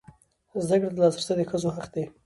زده کړې ته لاسرسی د ښځو حق دی.